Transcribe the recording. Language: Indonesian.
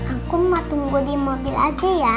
aku mah tunggu di mobil aja ya